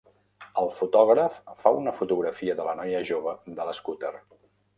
El fotògraf fa una fotografia de la noia jove de l'escúter.